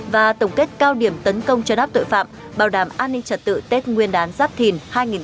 và tổng kết cao điểm tấn công chấn áp tội phạm bảo đảm an ninh trật tự tết nguyên đán giáp thìn hai nghìn hai mươi bốn